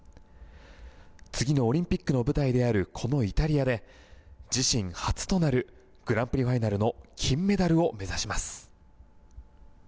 次のオリンピックの舞台であるこのイタリアで自身初となるグランプリファイナルの金メダルを目指します。